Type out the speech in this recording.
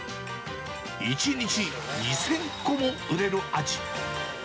１日２０００個も売れる味。